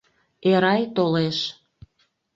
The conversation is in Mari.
Эрай толеш.